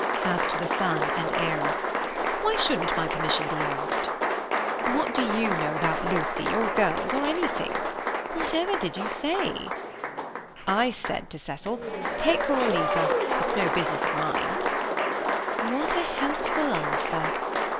asked the son and heir. "Why shouldn't my permission be asked?" "What do you know about Lucy or girls or anything? What ever did you say?" "I said to Cecil, 'Take her or leave her; it's no business of mine!'" "What a helpful answer!"